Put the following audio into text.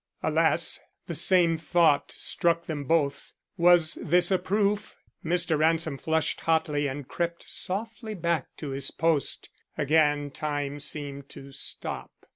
Alas! the same thought struck them both. Was this a proof? Mr. Ransom flushed hotly and crept softly back to his post. Again time seemed to stop.